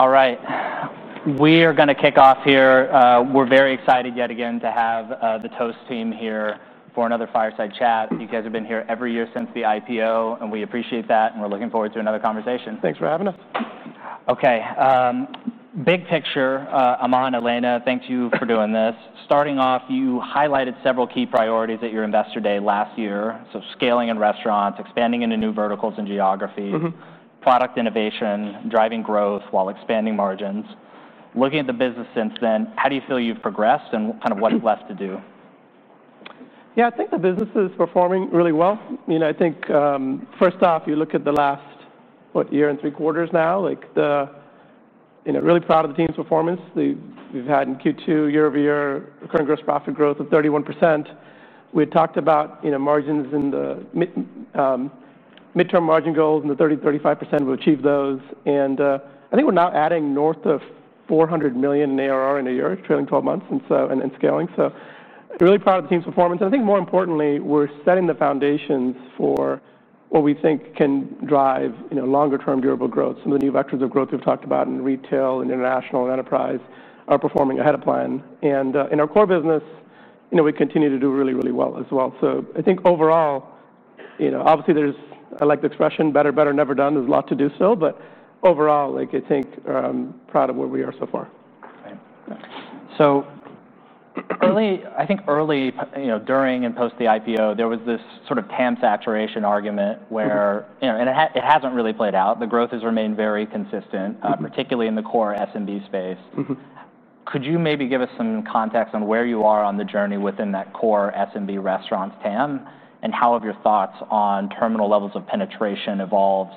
All right. We are going to kick off here. We're very excited yet again to have the Toast team here for another fireside chat. You guys have been here every year since the IPO, and we appreciate that, and we're looking forward to another conversation. Thanks for having us. Okay. Big picture, Aman, Elena, thank you for doing this. Starting off, you highlighted several key priorities at your Investor Day last year. Scaling in restaurants, expanding into new verticals and geographies, product innovation, driving growth while expanding margins. Looking at the business since then, how do you feel you've progressed and kind of what's left to do? Yeah, I think the business is performing really well. I think first off, you look at the last, what, year and three quarters now, like, really proud of the team's performance. We've had in Q2, year over year, current gross profit growth of 31%. We had talked about margins in the mid-term margin goals in the 30 to 35%. We've achieved those. I think we're now adding north of $400 million in ARR in a year, trailing 12 months, and scaling. Really proud of the team's performance. I think more importantly, we're setting the foundations for what we think can drive longer-term durable growth. Some of the new vectors of growth we've talked about in retail and international enterprise are performing ahead of plan. In our core business, we continue to do really, really well as well. I think overall, obviously there's, I like the expression, better, better, never done. There's a lot to do still, but overall, I think I'm proud of where we are so far. Early, I think early, you know, during and post the IPO, there was this sort of TAM saturation argument where, you know, and it hasn't really played out. The growth has remained very consistent, particularly in the core SMB space. Could you maybe give us some context on where you are on the journey within that core SMB restaurant TAM, and how have your thoughts on terminal levels of penetration evolved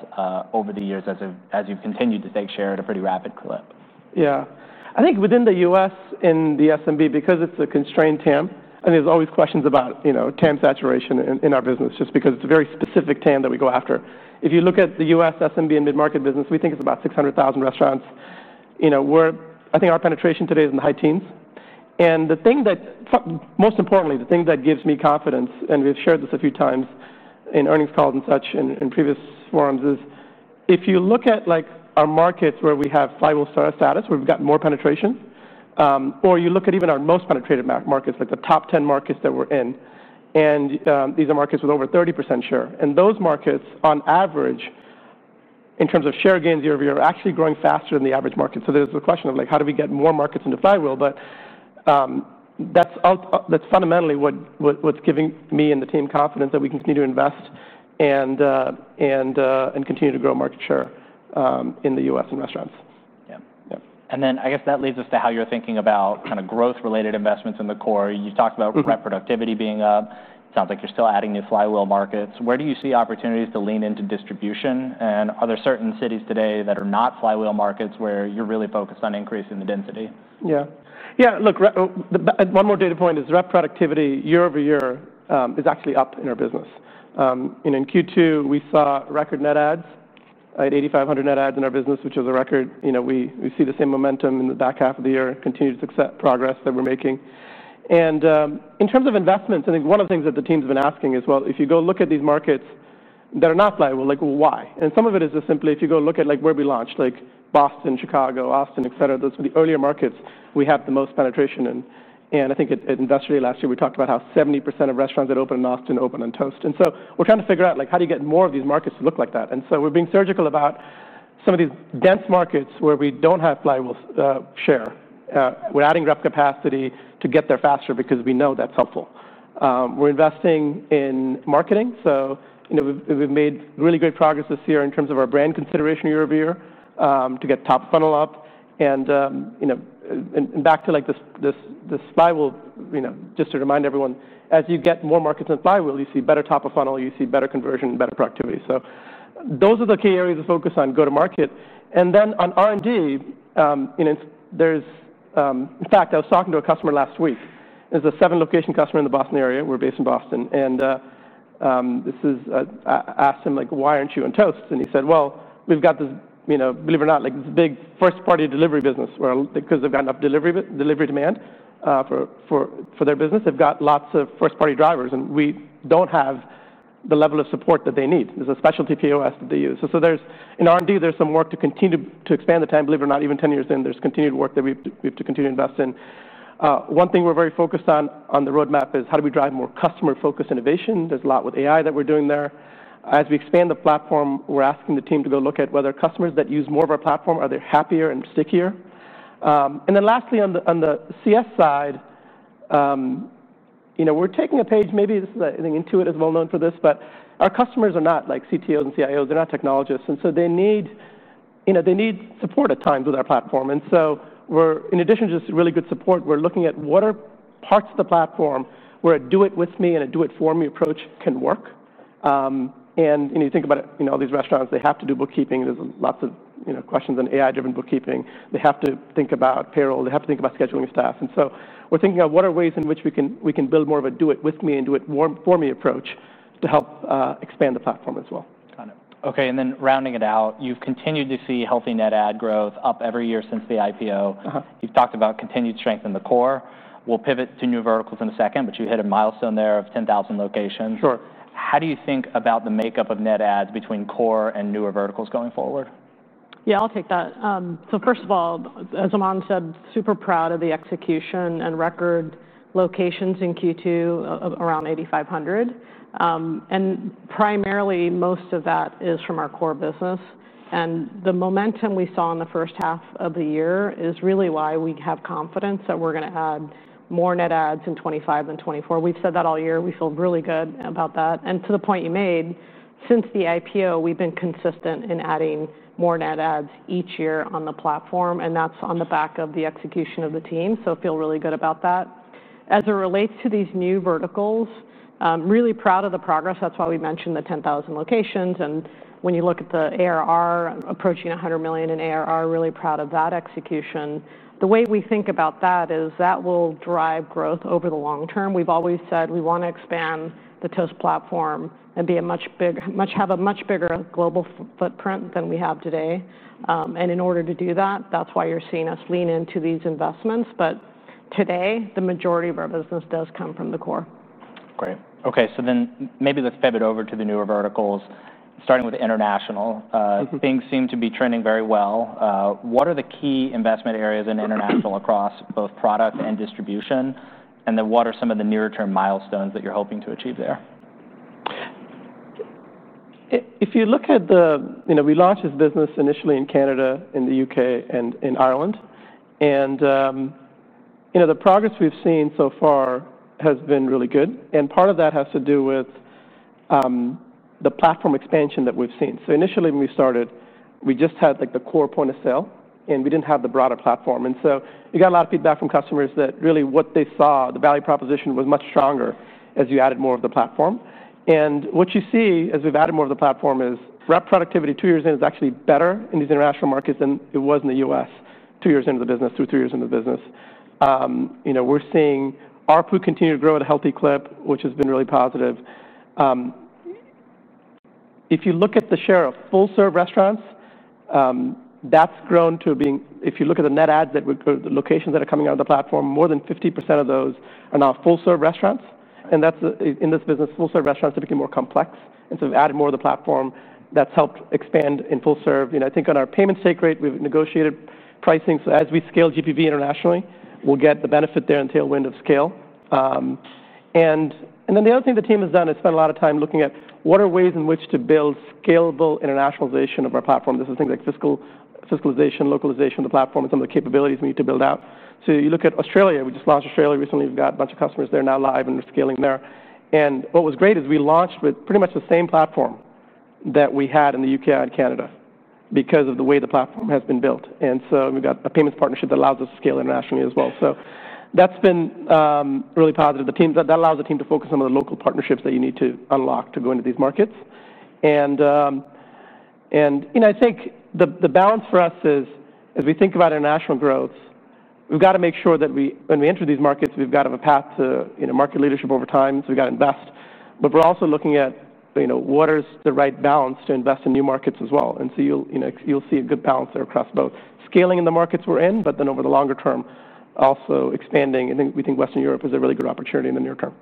over the years as you've continued to take share at a pretty rapid clip? Yeah. I think within the U.S. in the SMB, because it's a constrained TAM, there's always questions about, you know, TAM saturation in our business just because it's a very specific TAM that we go after. If you look at the U.S. SMB and mid-market business, we think it's about 600,000 restaurants. I think our penetration today is in the high teens. Most importantly, the thing that gives me confidence, and we've shared this a few times in earnings calls and such in previous forums, is if you look at our markets where we have flywheel status where we've got more penetration, or you look at even our most penetrated markets, like the top 10 markets that we're in, and these are markets with over 30% share. In those markets, on average, in terms of share gains year over year, they're actually growing faster than the average market. There's the question of how do we get more markets into flywheel, but that's fundamentally what's giving me and the team confidence that we can continue to invest and continue to grow market share in the U.S. in restaurants. Yeah. I guess that leads us to how you're thinking about kind of growth-related investments in the core. You talked about reproductivity being up. It sounds like you're still adding new flywheel markets. Where do you see opportunities to lean into distribution? Are there certain cities today that are not flywheel markets where you're really focused on increasing the density? Yeah. Yeah, look, one more data point is productivity year over year is actually up in our business. In Q2, we saw record net adds, like 8,500 net adds in our business, which was a record. We see the same momentum in the back half of the year, continue to accept progress that we're making. In terms of investments, I think one of the things that the team's been asking is, if you go look at these markets that are not flywheel, like, why? Some of it is just simply if you go look at where we launched, like Boston, Chicago, Austin, et cetera, those were the earlier markets we had the most penetration in. I think at Investor Day last year, we talked about how 70% of restaurants that open in Austin open on Toast. We're trying to figure out how do you get more of these markets to look like that. We're being surgical about some of these dense markets where we don't have flywheel share. We're adding rep capacity to get there faster because we know that's helpful. We're investing in marketing. We've made really great progress this year in terms of our brand consideration year over year to get top of funnel up. Back to this flywheel, just to remind everyone, as you get more markets in flywheel, you see better top of funnel, you see better conversion, better productivity. Those are the key areas to focus on, go to market. On R&D, in fact, I was talking to a customer last week. This is a seven-location customer in the Boston area. We're based in Boston. I asked him, why aren't you on Toast? He said, we've got this, believe it or not, this big first-party delivery business where because they've got enough delivery demand for their business, they've got lots of first-party drivers and we don't have the level of support that they need. There's a specialty POS that they use. In R&D, there's some work to continue to expand the total addressable market, believe it or not, even 10 years in, there's continued work that we have to continue to invest in. One thing we're very focused on on the roadmap is how do we drive more customer-focused innovation. There's a lot with AI that we're doing there. As we expand the platform, we're asking the team to go look at whether customers that use more of our platform, are they happier and stickier? Lastly, on the CS side, we're taking a page, maybe this is, I think, Intuit is well known for this, but our customers are not like CTOs and CIOs, they're not technologists. They need support at times with our platform. In addition to just really good support, we're looking at what are parts of the platform where a do-it-with-me and a do-it-for-me approach can work. You think about it, all these restaurants, they have to do bookkeeping. There are lots of questions on AI-driven bookkeeping. They have to think about payroll. They have to think about scheduling staff. We're thinking about what are ways in which we can build more of a do-it-with-me and do-it-for-me approach to help expand the platform as well. Got it. Okay. Then rounding it out, you've continued to see healthy net add growth up every year since the IPO. You've talked about continued strength in the core. We'll pivot to new verticals in a second, but you hit a milestone there of 10,000 locations. Sure. How do you think about the makeup of net adds between core and newer verticals going forward? Yeah, I'll take that. First of all, as Aman said, super proud of the execution and record locations in Q2, around 8,500. Primarily, most of that is from our core business. The momentum we saw in the first half of the year is really why we have confidence that we're going to add more net adds in 2025 than 2024. We've said that all year. We feel really good about that. To the point you made, since the IPO, we've been consistent in adding more net adds each year on the platform. That's on the back of the execution of the team. I feel really good about that. As it relates to these new verticals, really proud of the progress. That's why we mentioned the 10,000 locations. When you look at the ARR approaching $100 million in ARR, really proud of that execution. The way we think about that is that will drive growth over the long term. We've always said we want to expand the Toast platform and have a much bigger global footprint than we have today. In order to do that, that's why you're seeing us lean into these investments. Today, the majority of our business does come from the core. Great. Okay. Maybe let's pivot over to the newer verticals, starting with international. Things seem to be trending very well. What are the key investment areas in international across both product and distribution? What are some of the near-term milestones that you're hoping to achieve there? If you look at the, we launched this business initially in Canada, in the UK, and in Ireland. The progress we've seen so far has been really good. Part of that has to do with the platform expansion that we've seen. Initially when we started, we just had the core point of sale, and we didn't have the broader platform. We got a lot of feedback from customers that really what they saw, the value proposition was much stronger as you added more of the platform. What you see as we've added more of the platform is rep productivity two years in is actually better in these international markets than it was in the U.S. two years into the business, two or three years into the business. We're seeing our food continue to grow at a healthy clip, which has been really positive. If you look at the share of full-serve restaurants, that's grown to being, if you look at the net adds that would go to the locations that are coming out of the platform, more than 50% of those are now full-serve restaurants. In this business, full-serve restaurants are becoming more complex. We've added more of the platform that's helped expand in full-serve. I think on our payments take rate, we've negotiated pricing. As we scale GPV internationally, we'll get the benefit there until wind of scale. The other thing the team has done, it's spent a lot of time looking at what are ways in which to build scalable internationalization of our platform. This is things like fiscalization, localization of the platform, and some of the capabilities we need to build out. You look at Australia, we just launched Australia recently. We've got a bunch of customers there now live and scaling there. What was great is we launched with pretty much the same platform that we had in the UK and Canada because of the way the platform has been built. We've got a payments partnership that allows us to scale internationally as well. That's been really positive. That allows the team to focus on the local partnerships that you need to unlock to go into these markets. I think the balance for us is, as we think about international growth, we've got to make sure that when we enter these markets, we've got to have a path to market leadership over time. We've got to invest. We're also looking at what is the right balance to invest in new markets as well. You'll see a good balance there across both scaling in the markets we're in, but then over the longer term, also expanding. I think we think Western Europe is a really good opportunity in the near term.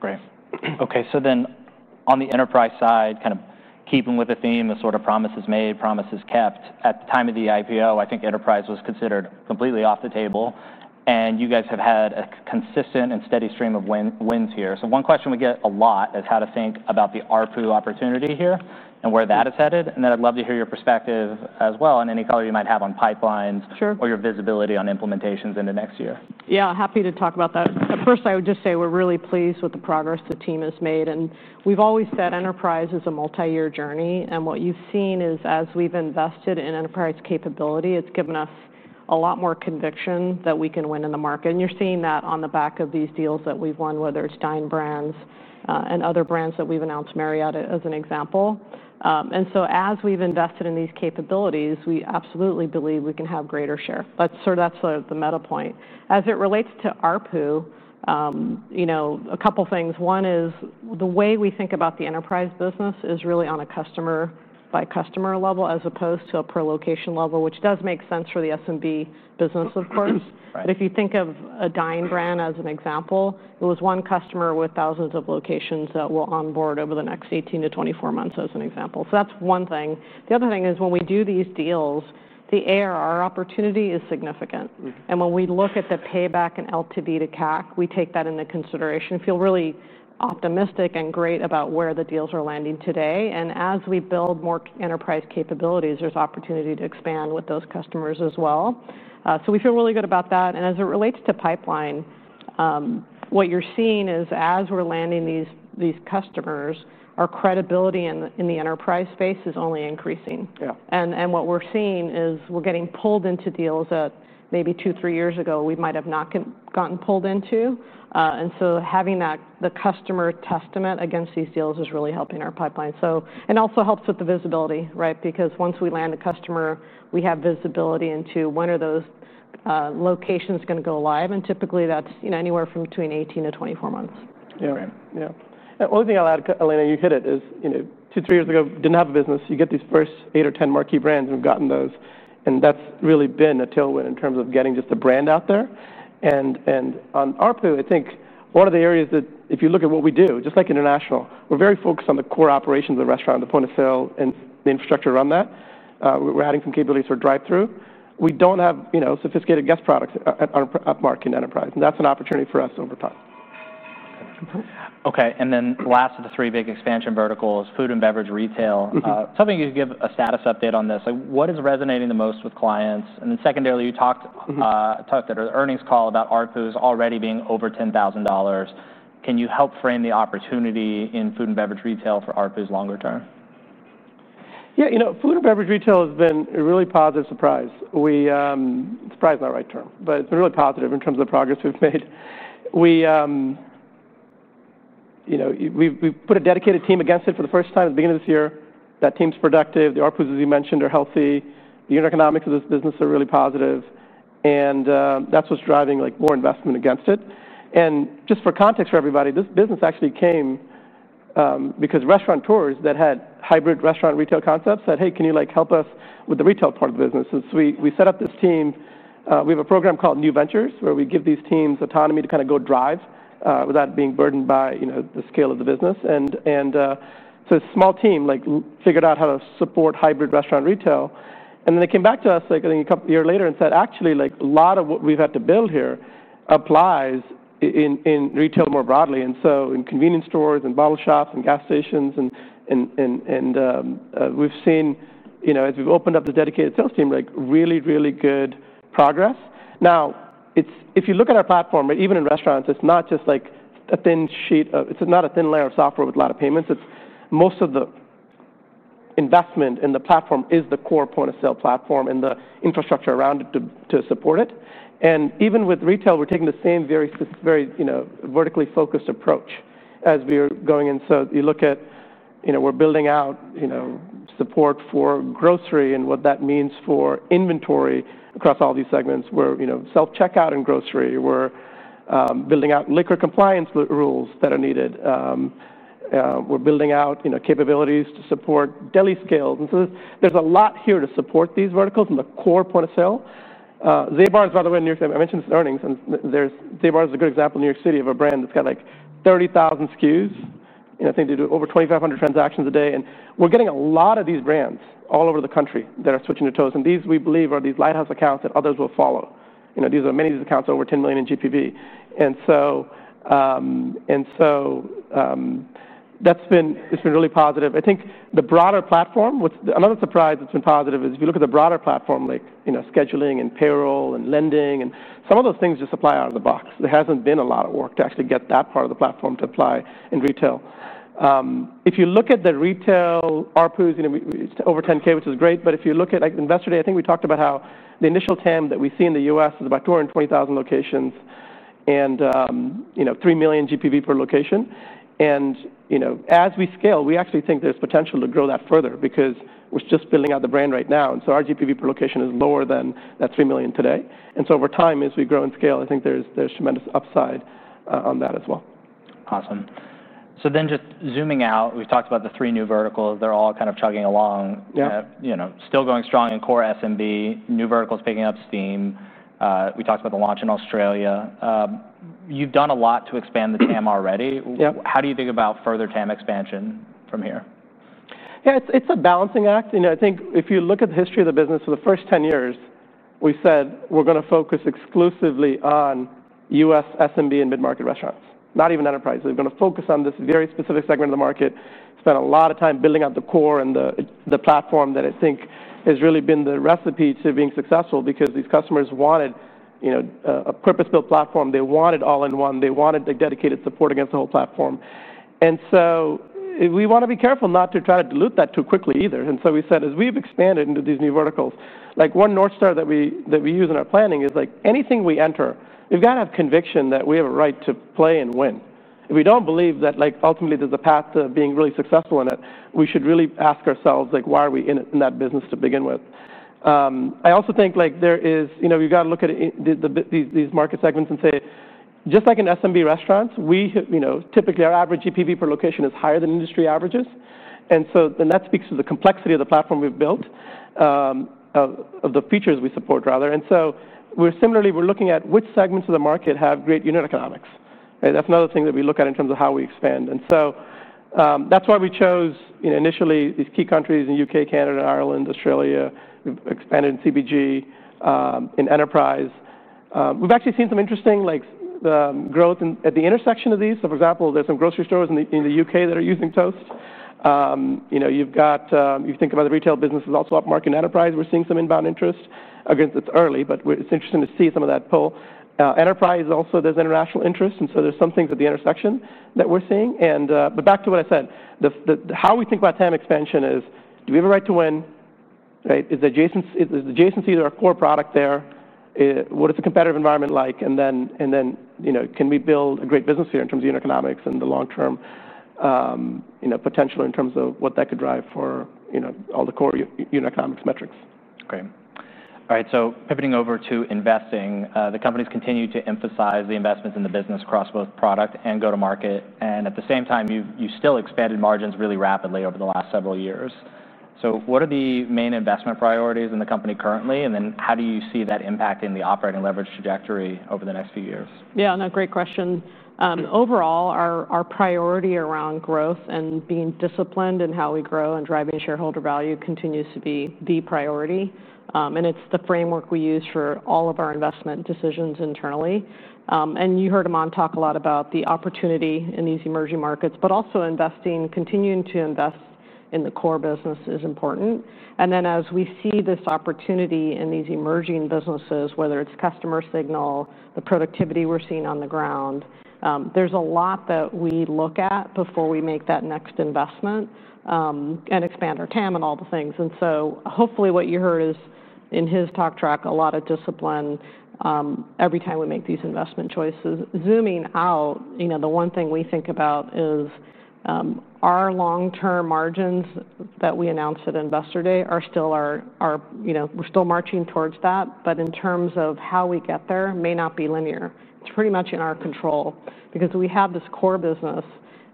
Great. Okay. On the enterprise side, kind of keeping with the theme of promises made, promises kept. At the time of the IPO, I think enterprise was considered completely off the table. You guys have had a consistent and steady stream of wins here. One question we get a lot is how to think about the ARPU opportunity here and where that is headed. I'd love to hear your perspective as well and any color you might have on pipelines or your visibility on implementations into next year. Yeah, happy to talk about that. At first, I would just say we're really pleased with the progress the team has made. We've always said enterprise is a multi-year journey. What you've seen is as we've invested in enterprise capability, it's given us a lot more conviction that we can win in the market. You're seeing that on the back of these deals that we've won, whether it's Dine Brands and other brands that we've announced, Marriott as an example. As we've invested in these capabilities, we absolutely believe we can have greater share. That's sort of the meta point. As it relates to ARPU, a couple of things. One is the way we think about the enterprise business is really on a customer-by-customer level as opposed to a per-location level, which does make sense for the SMB business, of course. If you think of a Dine Brands example, it was one customer with thousands of locations that will onboard over the next 18 to 24 months as an example. That's one thing. The other thing is when we do these deals, the ARR opportunity is significant. When we look at the payback and LTV to CAC, we take that into consideration. We feel really optimistic and great about where the deals are landing today. As we build more enterprise capabilities, there's opportunity to expand with those customers as well. We feel really good about that. As it relates to pipeline, what you're seeing is as we're landing these customers, our credibility in the enterprise space is only increasing. What we're seeing is we're getting pulled into deals that maybe two, three years ago we might have not gotten pulled into. Having the customer testament against these deals is really helping our pipeline. It also helps with the visibility, right? Because once we land a customer, we have visibility into when those locations are going to go live. Typically, that's anywhere from between 18 to 24 months. Yeah, right. The only thing I'll add, Elena, you hit it, is two, three years ago, didn't have a business. You get these first eight or ten marquee brands, and we've gotten those. That's really been a tailwind in terms of getting just a brand out there. On ARPU, I think one of the areas that if you look at what we do, just like international, we're very focused on the core operations of the restaurant, the point of sale, and the infrastructure around that. We're adding some capabilities for drive-through. We don't have sophisticated guest products at our upmarketing enterprise. That's an opportunity for us over time. Okay. Last of the three big expansion verticals, food and beverage retail. Tell me you could give a status update on this. What is resonating the most with clients? Secondarily, you talked at an earnings call about ARPUs already being over $10,000. Can you help frame the opportunity in food and beverage retail for ARPUs longer term? Yeah, you know, food and beverage retail has been a really positive surprise. Surprise is not the right term, but it's been really positive in terms of the progress we've made. We put a dedicated team against it for the first time at the beginning of this year. That team's productive. The ARPUs, as you mentioned, are healthy. The unit economics of this business are really positive. That's what's driving more investment against it. Just for context for everybody, this business actually came because restaurateurs that had hybrid restaurant retail concepts said, "Hey, can you help us with the retail part of the business?" We set up this team. We have a program called New Ventures where we give these teams autonomy to kind of go drive without being burdened by the scale of the business. A small team figured out how to support hybrid restaurant retail. They came back to us a year later and said, "Actually, a lot of what we've had to build here applies in retail more broadly." In convenience stores and bottle shops and gas stations, we've seen, as we've opened up the dedicated sales team, really, really good progress. Now, if you look at our platform, even in restaurants, it's not just like a thin sheet of, it's not a thin layer of software with a lot of payments. Most of the investment in the platform is the core point of sale platform and the infrastructure around it to support it. Even with retail, we're taking the same very, very vertically focused approach as we are going in. You look at, you know, we're building out, you know, support for grocery and what that means for inventory across all these segments. We're, you know, self-checkout in grocery. We're building out liquor compliance rules that are needed. We're building out, you know, capabilities to support deli scales. There's a lot here to support these verticals and the core point of sale. Zabar’s, by the way, in New York City, I mentioned earnings, and Zabar’s is a good example in New York City of a brand that's got like 30,000 SKUs. I think they do over 2,500 transactions a day. We're getting a lot of these brands all over the country that are switching to Toast. These we believe are these lighthouse accounts that others will follow. Many of these accounts are over $10 million in GPV. It's been really positive. I think the broader platform, another surprise that's been positive is if you look at the broader platform, like, you know, scheduling and payroll and lending and some of those things just apply out of the box. There hasn't been a lot of work to actually get that part of the platform to apply in retail. If you look at the retail ARPUs, you know, it's over $10,000, which is great. If you look at the investor data, I think we talked about how the initial total addressable market that we see in the U.S. is about 220,000 locations and, you know, $3 million GPV per location. As we scale, we actually think there's potential to grow that further because we're just building out the brand right now. Our GPV per location is lower than that $3 million today. Over time, as we grow and scale, I think there's tremendous upside on that as well. Awesome. Just zooming out, we've talked about the three new verticals. They're all kind of chugging along, you know, still going strong in core SMB, new verticals picking up steam. We talked about the launch in Australia. You've done a lot to expand the TAM already. How do you think about further TAM expansion from here? Yeah, it's a balancing act. You know, I think if you look at the history of the business for the first 10 years, we said we're going to focus exclusively on U.S. SMB and mid-market restaurants, not even enterprise. We're going to focus on this very specific segment of the market, spend a lot of time building out the core and the platform that I think has really been the recipe to being successful because these customers wanted, you know, a purpose-built platform. They wanted all-in-one. They wanted a dedicated support against the whole platform. We want to be careful not to try to dilute that too quickly either. We said, as we've expanded into these new verticals, like one North Star that we use in our planning is like anything we enter, we've got to have conviction that we have a right to play and win. If we don't believe that like ultimately there's a path to being really successful in it, we should really ask ourselves like why are we in that business to begin with. I also think like there is, you know, we've got to look at these market segments and say, just like in SMB restaurants, we, you know, typically our average GPV per location is higher than industry averages. That speaks to the complexity of the platform we've built, of the features we support rather. We're similarly, we're looking at which segments of the market have great unit economics. That's another thing that we look at in terms of how we expand. That's why we chose, you know, initially these key countries in the UK, Canada, Ireland, Australia. We've expanded in CBG, in enterprise. We've actually seen some interesting growth at the intersection of these. For example, there's some grocery stores in the UK that are using Toast. You know, you think about the retail business is also upmarketing enterprise. We're seeing some inbound interest. Again, it's early, but it's interesting to see some of that pull. Enterprise also, there's international interest. There's some things at the intersection that we're seeing. Back to what I said, how we think about TAM expansion is, do we have a right to win? Is the adjacency to our core product there? What is the competitive environment like? Then, you know, can we build a great business here in terms of unit economics and the long-term, you know, potential in terms of what that could drive for, you know, all the core unit economics metrics? Okay. All right. Pivoting over to investing, the company's continued to emphasize the investments in the business across both product and go-to-market. At the same time, you've still expanded margins really rapidly over the last several years. What are the main investment priorities in the company currently? How do you see that impacting the operating leverage trajectory over the next few years? Yeah, great question. Overall, our priority around growth and being disciplined in how we grow and driving shareholder value continues to be the priority. It's the framework we use for all of our investment decisions internally. You heard Aman talk a lot about the opportunity in these emerging markets, but also investing, continuing to invest in the core business is important. As we see this opportunity in these emerging businesses, whether it's customer signal, the productivity we're seeing on the ground, there's a lot that we look at before we make that next investment and expand our total addressable market and all the things. Hopefully what you heard is in his talk track, a lot of discipline every time we make these investment choices. Zooming out, the one thing we think about is our long-term margins that we announced at Investor Day are still our, you know, we're still marching towards that. In terms of how we get there, it may not be linear. It's pretty much in our control because we have this core business.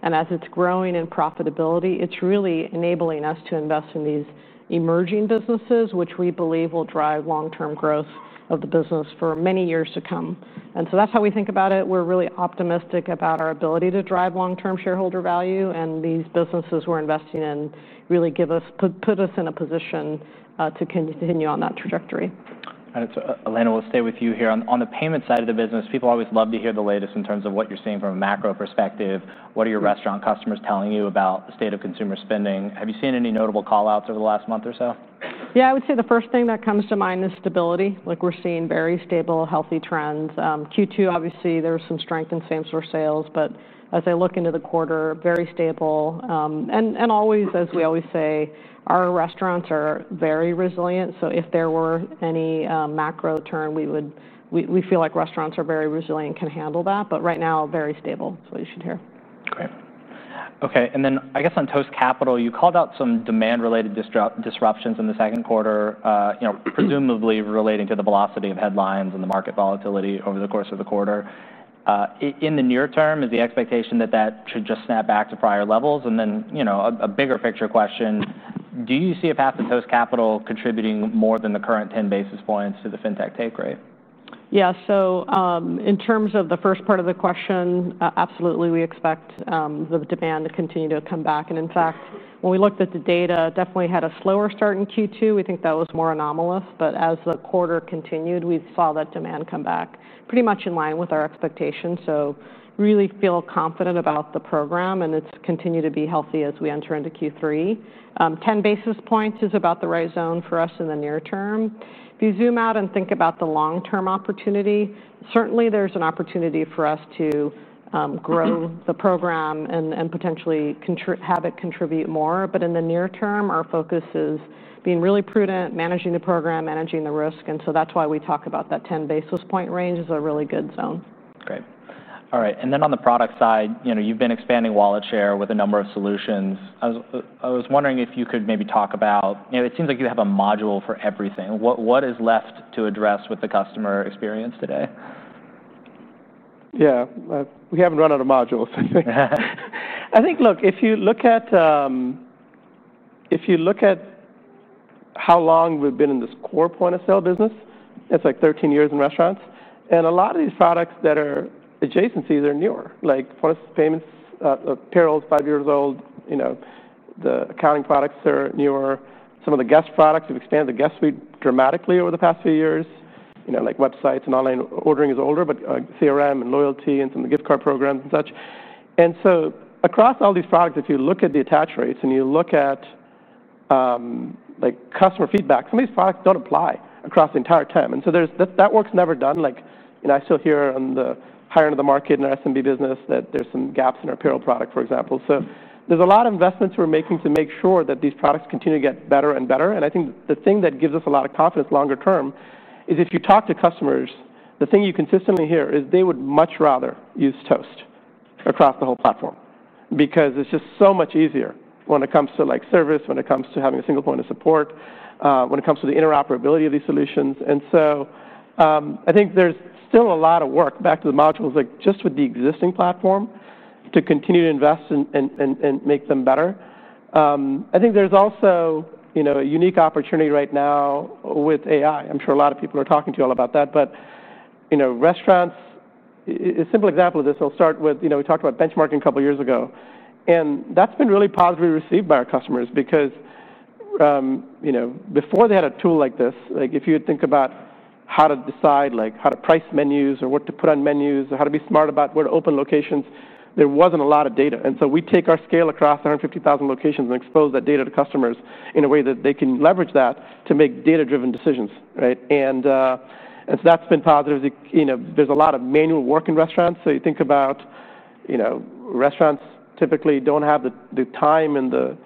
As it's growing in profitability, it's really enabling us to invest in these emerging businesses, which we believe will drive long-term growth of the business for many years to come. That's how we think about it. We're really optimistic about our ability to drive long-term shareholder value. These businesses we're investing in really give us, put us in a position to continue on that trajectory. Elena, we'll stay with you here on the payment side of the business. People always love to hear the latest in terms of what you're seeing from a macro perspective. What are your restaurant customers telling you about the state of consumer spending? Have you seen any notable callouts over the last month or so? Yeah, I would say the first thing that comes to mind is stability. We're seeing very stable, healthy trends. Q2, obviously, there was some strength in same store sales, but as I look into the quarter, very stable. As we always say, our restaurants are very resilient. If there were any macro turn, we feel like restaurants are very resilient and can handle that. Right now, very stable is what you should hear. Okay. Okay. On Toast Capital, you called out some demand-related disruptions in the second quarter, presumably relating to the velocity of headlines and the market volatility over the course of the quarter. In the near term, is the expectation that that should just snap back to prior levels? A bigger picture question, do you see a path to Toast Capital contributing more than the current 10 basis points to the fintech take rate? Yeah, so in terms of the first part of the question, absolutely, we expect the demand to continue to come back. In fact, when we looked at the data, definitely had a slower start in Q2. We think that was more anomalous. As the quarter continued, we saw that demand come back pretty much in line with our expectations. Really feel confident about the program and it's continued to be healthy as we enter into Q3. 10 basis points is about the right zone for us in the near term. If you zoom out and think about the long-term opportunity, certainly there's an opportunity for us to grow the program and potentially have it contribute more. In the near term, our focus is being really prudent, managing the program, managing the risk. That's why we talk about that 10 basis point range as a really good zone. Great. All right. On the product side, you've been expanding wallet share with a number of solutions. I was wondering if you could maybe talk about, you know, it seems like you have a module for everything. What is left to address with the customer experience today? Yeah, we haven't run out of modules. I think, look, if you look at how long we've been in this core point of sale business, it's like 13 years in restaurants. A lot of these products that are adjacencies are newer, like point of payments, the payroll is five years old. You know, the accounting products are newer. Some of the guest products, we've expanded the guest suite dramatically over the past few years. You know, like websites and online ordering is older, but CRM and loyalty and some of the gift card programs and such. Across all these products, if you look at the attach rates and you look at customer feedback, some of these products don't apply across the entire TAM. That work's never done. You know, I still hear on the higher end of the market in our SMB business that there's some gaps in our payroll product, for example. There's a lot of investments we're making to make sure that these products continue to get better and better. I think the thing that gives us a lot of confidence longer term is if you talk to customers, the thing you consistently hear is they would much rather use Toast across the whole platform because it's just so much easier when it comes to service, when it comes to having a single point of support, when it comes to the interoperability of these solutions. I think there's still a lot of work back to the modules, just with the existing platform to continue to invest and make them better. I think there's also a unique opportunity right now with AI. I'm sure a lot of people are talking to you all about that. Restaurants, a simple example of this, I'll start with, you know, we talked about benchmarking a couple of years ago. That's been really positively received by our customers because before they had a tool like this, if you think about how to decide how to price menus or what to put on menus or how to be smart about where to open locations, there wasn't a lot of data. We take our scale across 150,000 locations and expose that data to customers in a way that they can leverage that to make data-driven decisions. That's been positive. There's a lot of manual work in restaurants. You think about, you know, restaurants typically don't have the time and the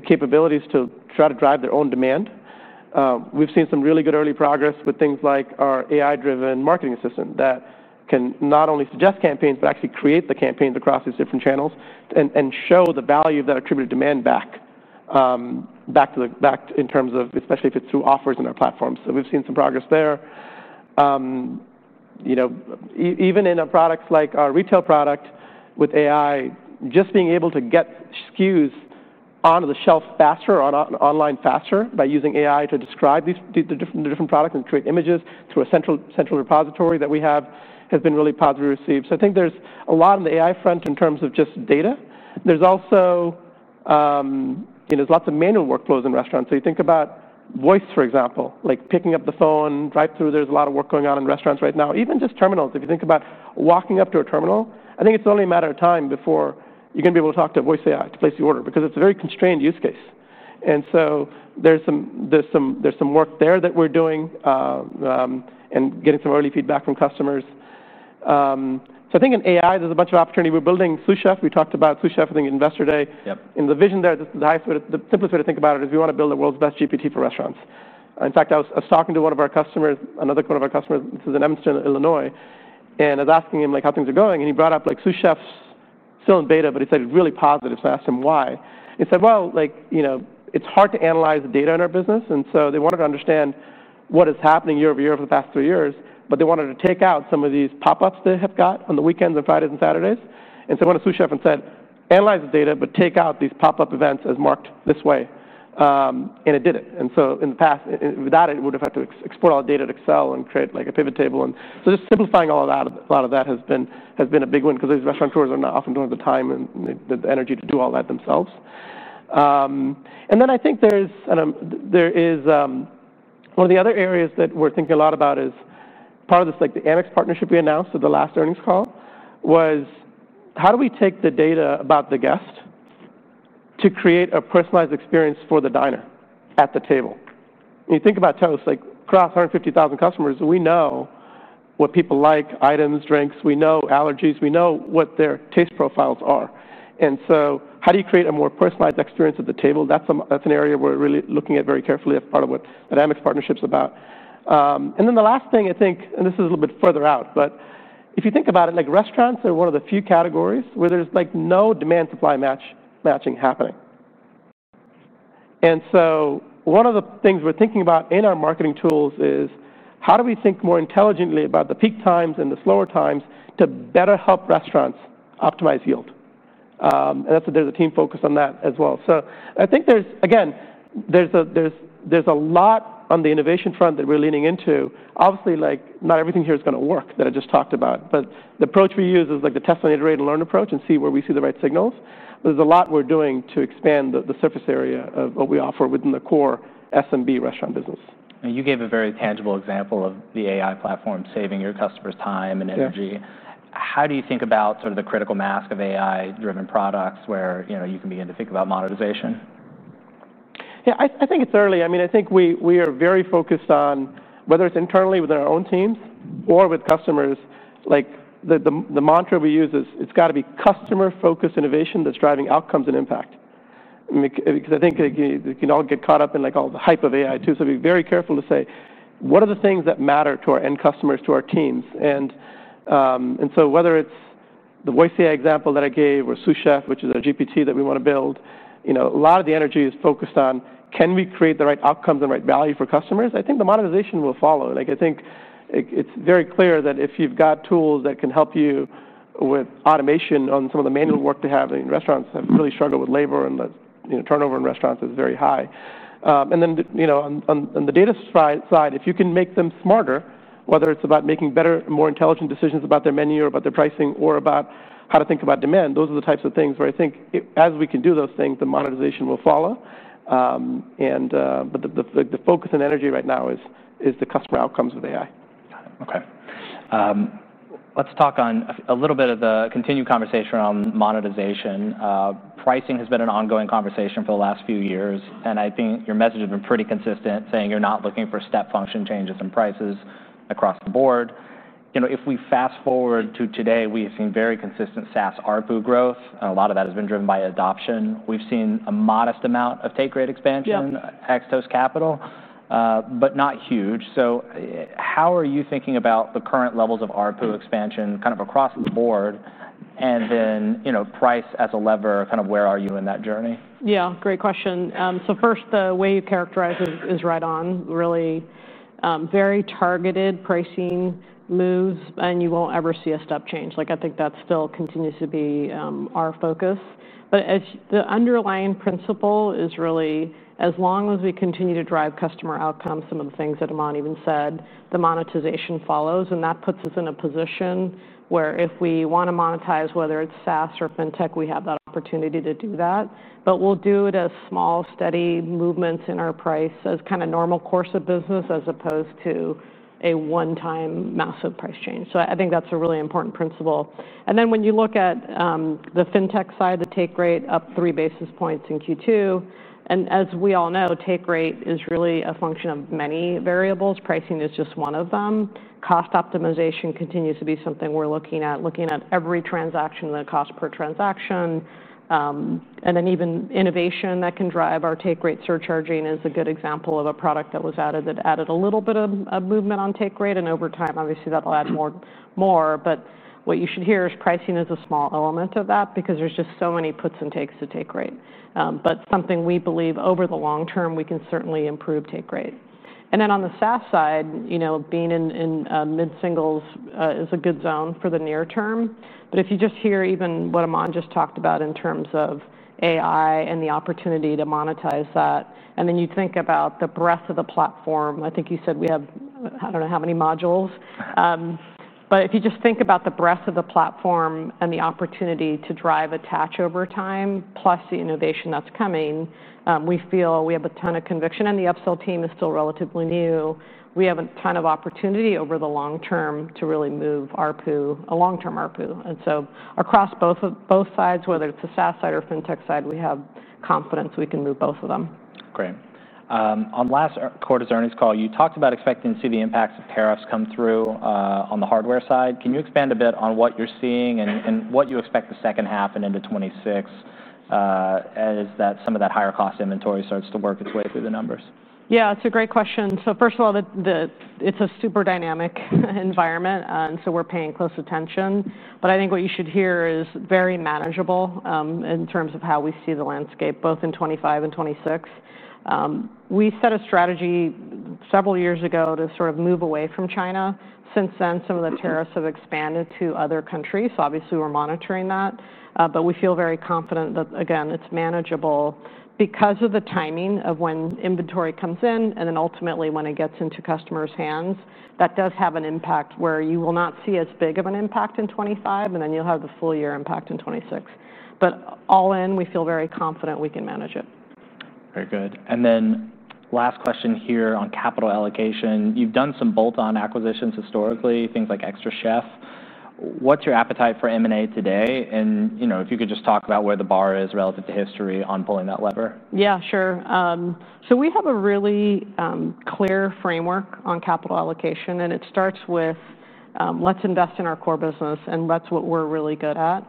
capabilities to try to drive their own demand. We've seen some really good early progress with things like our AI-Marketing Assistant that can not only suggest campaigns, but actually create the campaigns across these different channels and show the value of that attributed demand back in terms of, especially if it's through offers in our platform. We've seen some progress there. Even in our products like our retail product with AI, just being able to get SKUs onto the shelf faster or online faster by using AI to describe the different products and create images through a central repository that we have has been really positively received. I think there's a lot on the AI front in terms of just data. There's also, you know, lots of manual workflows in restaurants. You think about voice, for example, like picking up the phone, drive-through. There's a lot of work going on in restaurants right now. Even just terminals, if you think about walking up to a terminal, I think it's only a matter of time before you're going to be able to talk to a voice AI to place the order because it's a very constrained use case. There's some work there that we're doing and getting some early feedback from customers. I think in AI, there's a bunch of opportunity. We're building Sous Chef. We talked about Sous Chef, I think, Investor Day. In the vision there, the simplest way to think about it is we want to build the world's best GPT for restaurants. In fact, I was talking to one of our customers, another one of our customers, this is in Evanston, Illinois. I was asking him like how things are going. He brought up like Sous Chef's still in beta, but he said it's really positive. I asked him why. He said, like, you know, it's hard to analyze the data in our business. They wanted to understand what is happening year over year over the past three years, but they wanted to take out some of these pop-ups they have got on the weekends and Fridays and Saturdays. I went to Sous Chef and said, analyze the data, but take out these pop-up events as marked this way. It did it. In the past, without it, it would have had to export all the data to Excel and create like a pivot table. Just simplifying all of that, a lot of that has been a big win because these restaurateurs are not often doing the time and the energy to do all that themselves. I think one of the other areas that we're thinking a lot about as part of this, like the American Express partnership we announced at the last earnings call, is how do we take the data about the guest to create a personalized experience for the diner at the table. When you think about Toast, like across 150,000 customers, we know what people like, items, drinks, we know allergies, we know what their taste profiles are. How do you create a more personalized experience at the table? That's an area we're really looking at very carefully as part of what the American Express partnership is about. The last thing I think, and this is a little bit further out, if you think about it, restaurants are one of the few categories where there's no demand-supply matching happening. One of the things we're thinking about in our marketing tools is how do we think more intelligently about the peak times and the slower times to better help restaurants optimize yield. That's a team focus on that as well. I think there's a lot on the innovation front that we're leaning into. Obviously, not everything here is going to work that I just talked about, but the approach we use is the test and iterate and learn approach and see where we see the right signals. There's a lot we're doing to expand the surface area of what we offer within the core SMB restaurant business. You gave a very tangible example of the AI platform saving your customers' time and energy. How do you think about the critical mass of AI-driven products where you can begin to think about monetization? Yeah, I think it's early. I mean, I think we are very focused on whether it's internally with our own teams or with customers. The mantra we use is it's got to be customer-focused innovation that's driving outcomes and impact. I think we can all get caught up in all the hype of AI too. We're very careful to say what are the things that matter to our end customers, to our teams. Whether it's the voice AI example that I gave or Sous Chef, which is our GPT that we want to build, a lot of the energy is focused on can we create the right outcomes and right value for customers. I think the monetization will follow. I think it's very clear that if you've got tools that can help you with automation on some of the manual work they have in restaurants, they really struggle with labor and turnover in restaurants is very high. On the data side, if you can make them smarter, whether it's about making better, more intelligent decisions about their menu or about their pricing or about how to think about demand, those are the types of things where I think as we can do those things, the monetization will follow. The focus and energy right now is the customer outcomes of AI. Okay. Let's talk on a little bit of the continued conversation around monetization. Pricing has been an ongoing conversation for the last few years. I think your message has been pretty consistent, saying you're not looking for step function changes in prices across the board. If we fast forward to today, we've seen very consistent SaaS ARPU growth. A lot of that has been driven by adoption. We've seen a modest amount of take-rate expansion at Toast Capital, but not huge. How are you thinking about the current levels of ARPU expansion kind of across the board? Then, you know, price as a lever, kind of where are you in that journey? Yeah, great question. First, the way you characterize it is right on. Really very targeted pricing moves and you won't ever see a step change. I think that still continues to be our focus. The underlying principle is really, as long as we continue to drive customer outcomes, some of the things that Aman even said, the monetization follows. That puts us in a position where if we want to monetize, whether it's SaaS or fintech, we have that opportunity to do that. We'll do it as small, steady movements in our price as kind of normal course of business as opposed to a one-time massive price change. I think that's a really important principle. When you look at the fintech side, the take rate up three basis points in Q2. As we all know, take rate is really a function of many variables. Pricing is just one of them. Cost optimization continues to be something we're looking at, looking at every transaction, the cost per transaction. Even innovation that can drive our take rate, surcharging is a good example of a product that was added that added a little bit of movement on take rate. Over time, obviously, that'll add more. What you should hear is pricing is a small element of that because there's just so many puts and takes to take rate. That's something we believe over the long term, we can certainly improve take rate. On the SaaS side, you know, being in mid-singles is a good zone for the near term. If you just hear even what Aman just talked about in terms of AI and the opportunity to monetize that, and then you think about the breadth of the platform, I think you said we have, I don't know how many modules. If you just think about the breadth of the platform and the opportunity to drive attach over time, plus the innovation that's coming, we feel we have a ton of conviction and the upsell team is still relatively new. We have a ton of opportunity over the long term to really move ARPU, a long-term ARPU. Across both sides, whether it's the SaaS side or fintech side, we have confidence we can move both of them. Great. On last quarter's earnings call, you talked about expecting to see the impacts of tariffs come through on the hardware side. Can you expand a bit on what you're seeing and what you expect the second half and into 2026 as some of that higher cost inventory starts to work its way through the numbers? Yeah, it's a great question. First of all, it's a super dynamic environment, and we're paying close attention. I think what you should hear is very manageable in terms of how we see the landscape both in 2025 and 2026. We set a strategy several years ago to sort of move away from China. Since then, some of the tariffs have expanded to other countries. Obviously, we're monitoring that. We feel very confident that, again, it's manageable because of the timing of when inventory comes in and then ultimately when it gets into customers' hands. That does have an impact where you will not see as big of an impact in 2025, and then you'll have the full year impact in 2026. All in, we feel very confident we can manage it. Very good. Last question here on capital allocation. You've done some bolt-on acquisitions historically, things like Extra Chef. What's your appetite for M&A today? If you could just talk about where the bar is relative to history on pulling that lever. Yeah, sure. We have a really clear framework on capital allocation. It starts with let's invest in our core business and that's what we're really good at.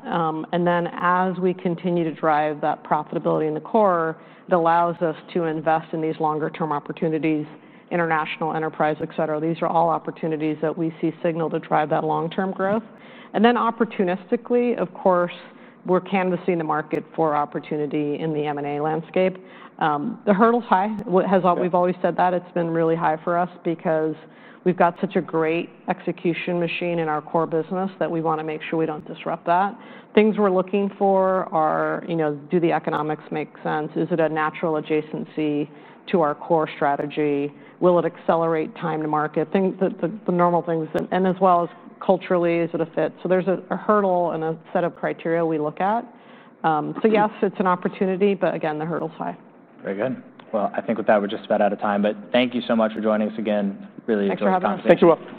As we continue to drive that profitability in the core, it allows us to invest in these longer-term opportunities, international, enterprise, et cetera. These are all opportunities that we see signal to drive that long-term growth. Opportunistically, of course, we're canvassing the market for opportunity in the M&A landscape. The hurdle's high. We've always said that it's been really high for us because we've got such a great execution machine in our core business that we want to make sure we don't disrupt that. Things we're looking for are, you know, do the economics make sense? Is it a natural adjacency to our core strategy? Will it accelerate time to market? The normal things. As well as culturally, is it a fit? There's a hurdle and a set of criteria we look at. Yes, it's an opportunity, but again, the hurdle's high. Very good. I think with that, we're just about out of time. Thank you so much for joining us again. Really enjoyed talking to you.